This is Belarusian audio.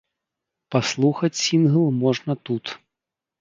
Паслухаць сінгл можна тут.